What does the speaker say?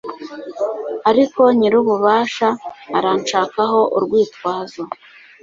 ariko nyir'ububasha aranshakaho urwitwazo